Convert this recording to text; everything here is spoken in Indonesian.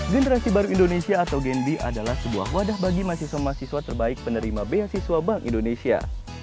generasi baru indonesia atau gendi adalah sebuah wadah bagi mahasiswa mahasiswa terbaik penerima beasiswa bank indonesia